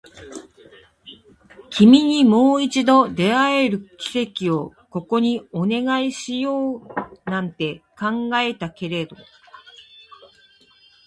君にもう一度出会える奇跡をここにお願いしようなんて考えたけれど